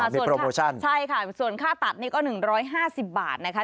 มีโปรโมชั่นใช่ค่ะส่วนค่าตัดนี่ก็๑๕๐บาทนะคะ